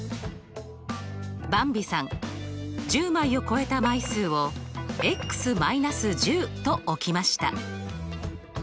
ばんびさん１０枚を超えた枚数を−１０と置きました。